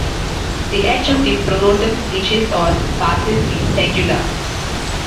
The edge of the pronotum reaches or passes the tegula.